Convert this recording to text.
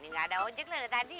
ini enggak ada ojek lah dari tadi